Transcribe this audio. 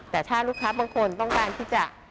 แต่ถ้าลูกค้าบางคนต้องการที่จะ